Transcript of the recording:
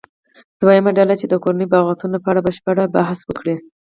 دویمه ډله دې د کورنیو بغاوتونو په اړه بشپړ بحث وکړي.